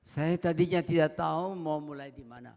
saya tadinya tidak tahu mau mulai dimana